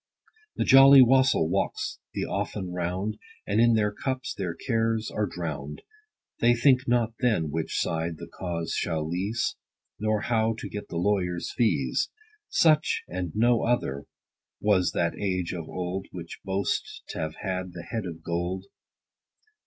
The jolly wassal walks the often round, 50 And in their cups their cares are drown'd : They think not then, which side the cause shall leese, Nor how to get the lawyer fees. Such and no other was that age of old, Which boasts t' have had the head of gold.